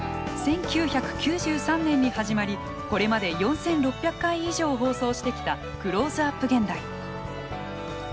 １９９３年に始まりこれまで４，６００回以上放送してきた「クローズアップ現代」。